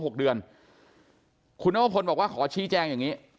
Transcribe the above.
หกเดือนคุณนวพลบอกว่าขอชี้แจงอย่างงี้